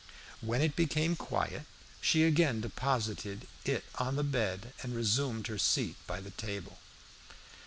When it became quiet she again deposited it on the bed and resumed her seat by the table.